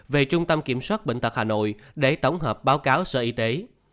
về trung tâm kiểm soát bệnh tật hà nội để tổng hợp báo cáo sở y tế